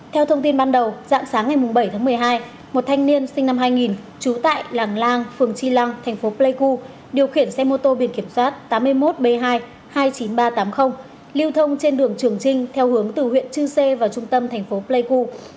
theo thông tin ban đầu dạng sáng ngày bảy tháng một mươi hai một thanh niên sinh năm hai nghìn trú tại làng lang phường tri lăng thành phố pleiku điều khiển xe mô tô biển kiểm soát tám mươi một b hai hai mươi chín nghìn ba trăm tám mươi liều thông trên đường trường trinh theo hướng từ huyện chư sê vào trung tâm thành phố pleiku